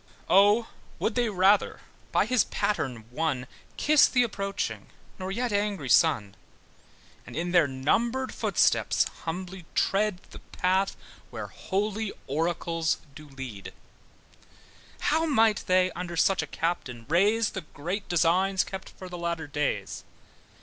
O would they rather by his pattern won Kiss the approaching, not yet angry Son; And in their numbered footsteps humbly tread The path where holy oracles do lead; How might they under such a captain raise The great designs kept for the latter days!